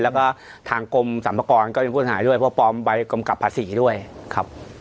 แล้วก็ทางกรมสรรพากรก็เป็นผู้เสียหายด้วยเพราะปลอมใบกำกับภาษีด้วยครับ